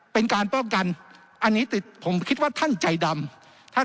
เป็นการป้องกันอันนี้ติดผมคิดว่าท่านใจดำท่าน